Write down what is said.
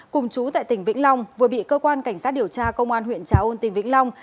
cùng chú tại tỉnh vĩnh long vừa bị cơ quan cảnh sát điều tra công an huyện trà ôn tỉnh vĩnh long